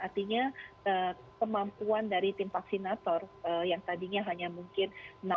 artinya kemampuan dari tim vaksinator yang tadinya hanya mungkin